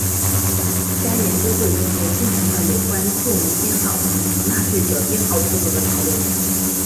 该研究会中也进行了有关住民编号以及纳税者编号制度的讨论。